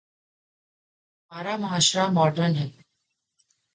ہمارا معاشرہ ماڈرن ہے۔